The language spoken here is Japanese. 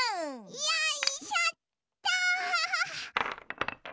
よいしょっと！